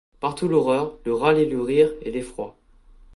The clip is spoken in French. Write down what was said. Partout l’horreur, le râle et le rire, et l’effroi.